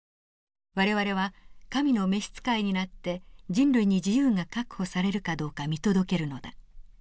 「我々は神の召し使いになって人類に自由が確保されるかどうか見届けるのだ」。